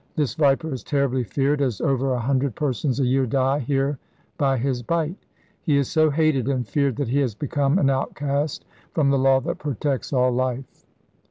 This viper is terribly feared, as over a hundred persons a year die here by his bite. He is so hated and feared that he has become an outcast from the law that protects all life.